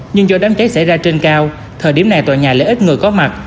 nhưng do đám cháy xảy ra trên cao thời điểm này tòa nhà lại ít người có mặt